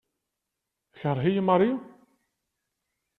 Tekṛeh-iyi Marie?